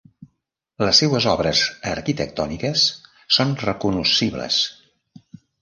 Les seues obres arquitectòniques són recognoscibles.